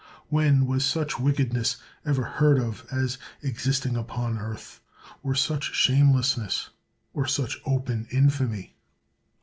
When was such wickedness ever heard of as existing upon earth t or such shamelessnesst or such open infamy?